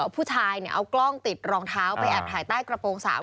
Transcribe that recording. ผู้ชายเอากล้องติดรองเท้าไปแอบถ่ายใต้กระโปรงสาว